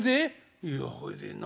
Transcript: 「いやほいでな